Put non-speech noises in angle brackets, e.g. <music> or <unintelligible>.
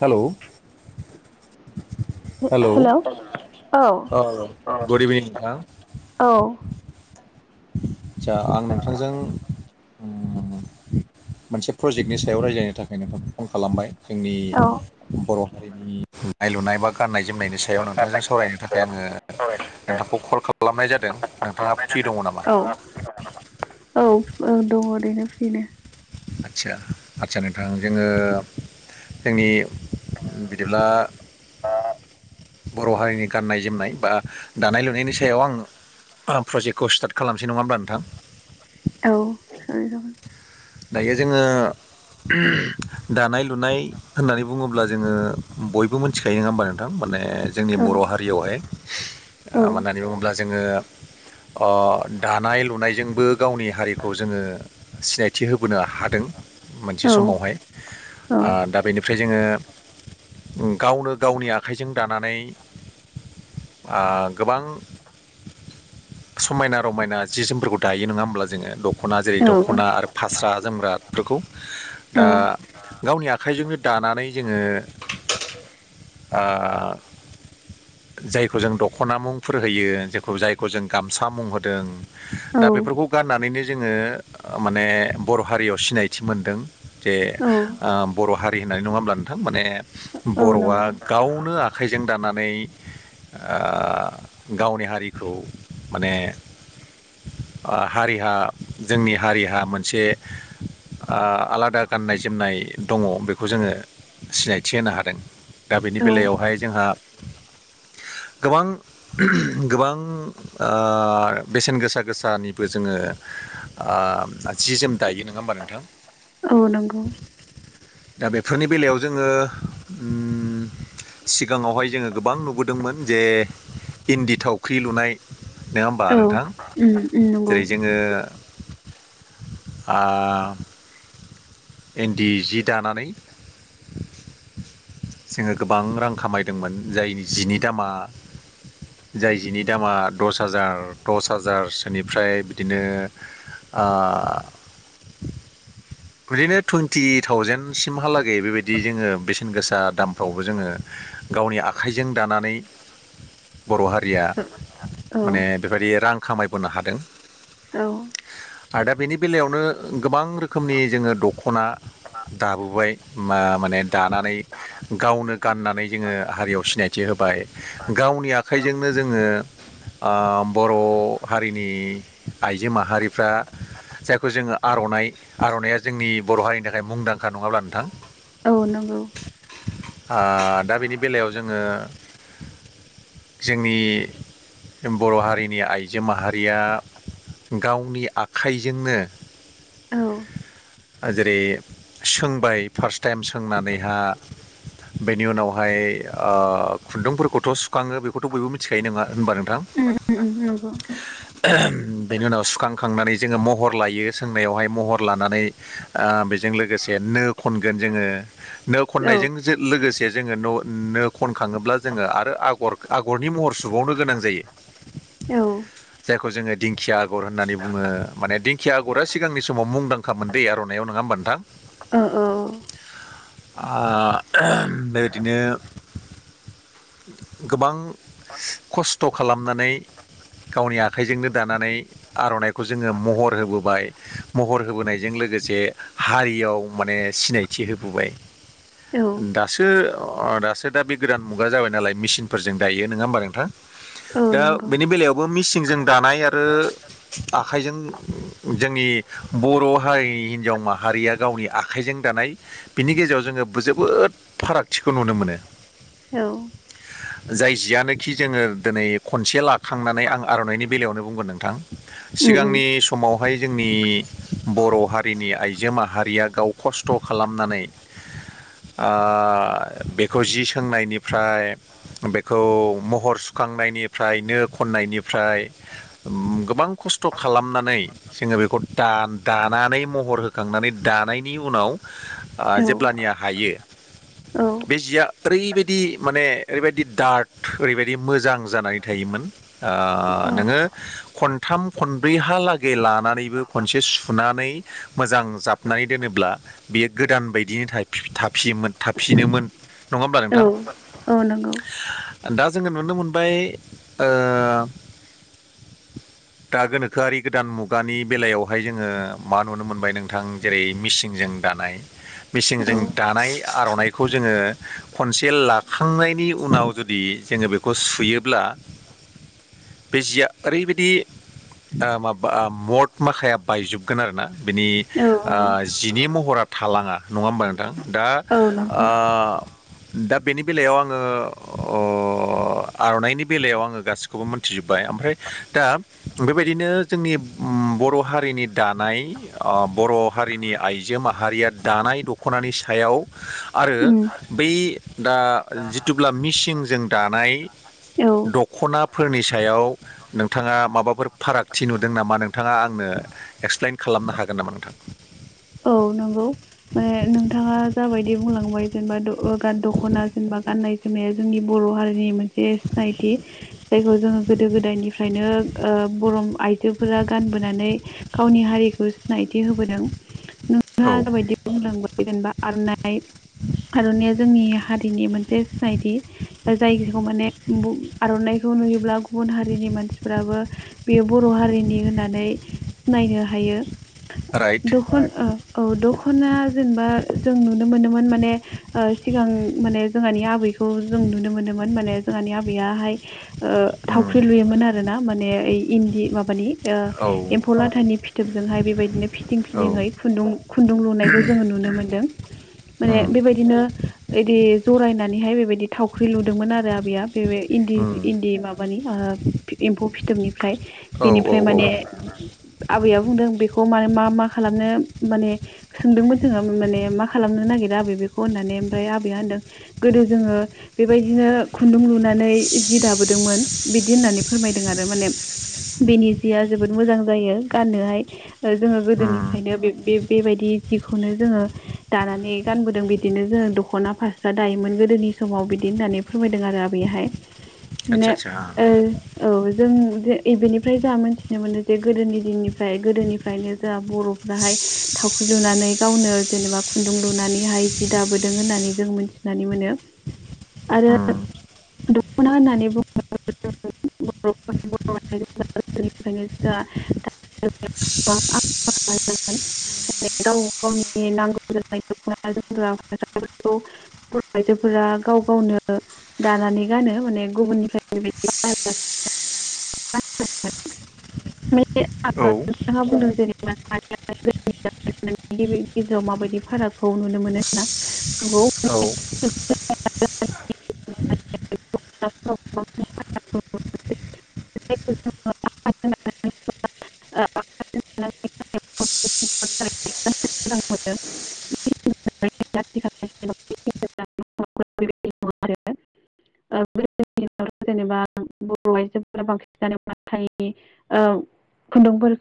हेल' hello औ good evening नोंथां औ आदसा आं नोंथांजों मोनसे प्रजेक्टनि सायाव रायज्लायनो थाखाय नोंथांखौ फन खालामबाय जोंनि औ बर' हारिनि दानाय लुनाय बा गाननाय जोमनायनि सायाव नोंथांजों सावरायनो थाखाय आङो नोंथांखौ कल खालामनाय जादों नोंथाङा फ्रि दङ नामा औ औ औ दङ ओरैनो फ्रिनो आदसा आदसा नोंथां जोङो जोंनि बिदिब्ला बर' हारिनि गाननाय जोमनाय बा दानाय लुनायनि सायाव आं आ प्रेजेकखौ स्टार्ट खालामसै नङा होनब्ला नोंथां औ <unintelligible> दायो जोंङो दानाय लुनाय होननानै बुंङोब्ला जोंङो बयबो मिथिखायो नंङा होनबा नोंथां माने जोंनि औ बर' हारियावहाय आ औ मानो होननानै बुङोब्ला जोङो दानाय लुनायजोंबो गावनि हारिखौ जोङो सिनायथि मिथि होबोनो हादों मोनसे औ समावहाय आ दा बेनिफ्राय जोङो गावनो गावनि आखाइजों दानानै गोबां समायना रमायना जि जोमफोरखौ दायो नङा होमब्ला जोङो दख'ना जेरै दख'ना आरो फास्रा जोमग्राफोरखौ दा औ गावनि आखाइजोंनो दानानै जोङो जायखौ जों दख'ना मुंफोर होयो जखौ जायखौ जों गामसा मुं होदों दा बेफोरखौ औ गाननानैनो जोङो माने बर' हारियाव सिनायथि मोनदों जे औ बर' हारि होननानै नङा होमब्ला नोंथां माने औ बर'आ नंगौ गावनो आखाइजों दानानै आ गावनि हारिखौ माने हारिहा जोंनि हारिहा मोन मोनसे आलादा गाननाय जोमनाय दङ बेखौ जोङो सिनायथि होनो हादों दा बेनि औ बेलायावहाय जोंहा गोबां गोबां आ बेसेन गोसा गोसानिबो जोङो आ जि जोम दायो नङा होमबा नोंथां औ नंगौ दा बेफोरनि बेलायाव जोङो उम सिगाङावहाय जोङो गोबां नुबोदोंमोन जे इन्दि थावख्रि लुनाय नोङा होमबा औ नोंथां उम उम नंगौ जोङो आ इन्दि जि दानानै जोङो गोबां रां खामायदोंमोन जायनि जिनि दामा जाय जिनि दामा दस हाजार दस हाजारसोनिफ्राय बिदिनो आ बिदिनो टुइन्टि थावजेनसिमहालागै बेबायदि जोङो बेसेन गोसा दामफ्रावबो जोङो गावनि आखाइजों दानानै बर' हारिया औ माने बेबायदि रां खामायबोनो हादों औ आरो दा बेनि बेलायावनो गोबां रोखोमनि जोङो दख'ना दाबोबाय माने दानानै गावनो गाननानै जोंङो हारियाव सिनायथि होबाय गावनि आखाइजोंनो जोंङो बर' हारिनि आइजो माहारिफ्रा जायखौ जोंङो आर'नाइ आर'नायइा जोंनि बर' हारिनि थाखाय मुंदांखा नंङाब्ला नोंथां औ नंगौ दा बेनि बेलायाव जोंङो जोंनि बर' हारिनि आइजो माहारिया गावनि आखाइजोंनो औ जेरै सोंबाय फार्स्ट टाइम सोंनानैहा बेनि उनावहाय खुन्दुंफोरखौथ' सुखाङो बेखौथ' बयबो मिथिखायो नङा होनबा नोंथां <unintelligible> उम उम नंगौ बेनि उनाव सुखांखांनानै जोङो महर लायो सोंनायावहाय महर लानानै बेजों लोगोसे नो खनगोन जोंङो नो औ खननायजों जो लोगोसे जोङो न' नो खनखाङोब्ला जोङो आरो आगर आगरनि महर सुबावनो गोनां जायो <unintelligible> औ जायखौ जोंङो दिंखिया आगर होननानै बुंङो माने दिंखिया आगरा सिगांनि समाव मुंदांखा मोन दै आर'नाइाव नंङा होमबा नोंथां ओ ओ बेबायदिनो गोबां खस्थ' खालामनानै गावनि आखाइजोंनो दानानै आर'नाइखौ जोंङो महर होबोबाय महर होबोनाय हारियाव माने सिनायथि होबोबाय औ दा दासो दासो दा बे गोदान मुगा जाबाय नालाय मेसिनफोरजों दायो नंङा होमबा नोंथां औ दा नंगौ बेनि बेलायाव द आखजों जोंनि बर हिनजाव माहारिया गावनि आखाइजों दानाय बिनि गेजेराव जोंङो जोबोद फारागथिखौ नुनो मोनो औ <inaudible> जाय जियानोखि जोंङो दिनै खनसे लाखांनानै आं आर'नाइनि बेलायावनो बुंगोन नोंथां उम सिगांनि समावहाय जोंनि बर' हारिनि आइजो माहारिया गाव खस्थ' खालामनानै बेखौ जि सोंनायनिफ्राय बेखौ महर सुखांनायनिफ्राय नो खननायनिफ्राय गोबां खस्थ' खालामनानै जोंङो बेखौ दान दानानै महर होखांनानै दानायनि उनाव उम जेब्लानिया हायो औ <inaudible> बे औ जिया ओरैबायदि माने ओरैबायदि दार्क ओरैबायदि मोजां जानानै थायोमोन औ नोंङो खनथाम खनब्रै हालागै लानानैबो खनसे सुनानै मोजां जाबनानै दोनोब्ला बेयो गोदान बायदिनो थाफियोमोन थाफिनोमोन नङा होमब्ला नों औ औ नंगौ दा जोंङो नुनो मोनबाय दा गोनोखोआरि गोदान मुगानि बेलायावहाय जों जोंङो मा नुनो मोनबाय नोंथां जेरै मिसिंजों दानाय औ मेसिंजों दानाय आर'नाइ बेखौ जोंङो खनसे लाखांनायनि उनाव जुदि जोंङो बेखौ सुयोब्ला बे जिया ओरैबायदि माबा मद माखाया बायजोबगोन आरोना बिनि औ जिनि महरा थालांङा नङा होमबा नोंथां दा औ नंगौ ओ दा बेनि बेलायाव आङो आर'नाइनि बेलायाव आङो गासैबो खौ मोनथि जोबबाय ओमफ्राय दा बेबायदिनो जोंनि बर' हारिनि दानाय बर' हारिनि आइजो माहारिया दानाय दख'नानि सायाव आरो उम बै दा जिथुब्ला मिसिनजों दानाय औ दख'नाफोरनि सायाव नोंथाङा माबाफोर फारागथि नुदों नामा नोंथाङा आंनो एक्सप्लेइन खालामनो हागोन नामा नोंथां औ नंगौ माने नोंथां नोंथाङा जाबायदि बुंलांबाय जेनेबा दख'ना जेनेबा गाननाय जोमनाया जोंनि बर' हारिनि मोन से सिनायथि जायखौ जोङो गोदो गोदायनिफ्रायनो बर' आइजोफोरा गानबोनानै गावनि हारिखौ सिनायथि होबोदों नोंथाङा औ जाबायदि बुंलांबाय जेनेबा आर'नाइ आर'नाइया जोंनि हारिनि मोनसे सिनायथि जायखौ माने आर'नाइखौ नुयोब्ला गुबुन हारिनि मानसिफोराबो बेयो बर' हारिनि होननानै सिनायनो हायो राइट दखन औ दखना जेनेबा जों नुनो मोनोमोन माने सिगां माने जोंहानि आबैखौ जों नुनो मोनोमोन माने जोंहानि आबैयाहाय उम थावख्रि लुयोमोन आरो ना माने ओइ इन्दि माबानि औ एम्फौ लाथानि फिथोबजोंहाय बेबायदिनो फिदिं औ फिदिंहाय खुन्दुं खुन्दुं लुनाय नुनो मोनदों माने उम बेबायदिनो इदि जरायनानैहाय बेबायदि थावख्रि लुदोंमोन आरो आबैया बे इन्दि उम इन्दि माबानि एम्फौ फिथोबनिफ्राय औ औ बेनिफ्राय औ माने आबैया बुंदों बेखौ माने मा मा खालामनो माने सोंदोंमोन जोङो माने मा खालामनो नागिरा आबै बेखौ होननानै ओमफ्राय आबैया होनदों गोदो जोङो बेबायदिनो खुन्दुं लुनानै जि दाबोदोंमोन बिदि होननानै फोरमायदों आरो माने बेनि जिया जोबोद मोजां जायो गाननोहाय जोङो उम गोदोनिफ्रायनो बे बेबायदि जिखौनो जोङो दानानै गानबोदों बिदिनो जोङो दख'ना फास्रा दायोमोन गोदोनि समाव बिदि होननानै फोरमायदों आरो आबैहाय <inaudible> माने ओ आदसा औ जों इदिनिफ्राय जा मोनथिनो मोनो जे गोदोनि दिननिफ्राय गोदोनि फ्रायनो जों बर'फ्राहाय थावख्रि लुनानै गावनो जेनेबा खुन्दुं लुनानैहाय जि दाबोदों होननानै जों मोनथिनानै मोनो <inaudible> आरो दख'ना होननानै बुङोब्ला <unintelligible> <unintelligible> बेनिखायनो जा <unintelligible> <unintelligible> गाव गावनि नांगौ जानाय दख'ना जोमग्रा फास्राफोरखौ बर' आइजोफोरा गाव गावनो दानानै गानो माने गुबुननिफ्राय बिबायदि <unintelligible> नोंथाङा बुंदों जेनेबा औ <unintelligible> गेजेराव माबायदि फारागखौ नुनो मोनो होना औ <unintelligible> <inaudible> <unintelligible> <unintelligible> <unintelligible> मोजां मोनो <unintelligible> <unintelligible> <inaudible> <unintelligible> थ' जेनेबा बर'आयजोफोरा बांसिन बांसिन <unintelligible> थाय औ खुन्दुंफोरखौ